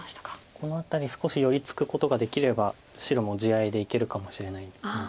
この辺り少し寄り付くことができれば白も地合いでいけるかもしれないので。